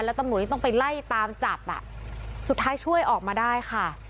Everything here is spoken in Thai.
แล้วตำรวจที่ต้องไปไล่ตามจับอ่ะสุดท้ายช่วยออกมาได้ค่ะ